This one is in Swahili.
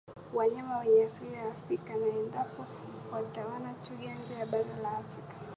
wanyama wenye asili ya Afrika na endapo utawaona twiga nje ya bara la Afrika